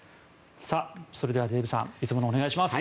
それではデーブさんいつものお願いします。